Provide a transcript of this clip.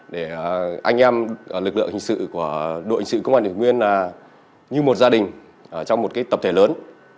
để anh em lực lượng hình sự của đội hình sự công an đỉnh nguyên như một gia đình trong một tập thể lớn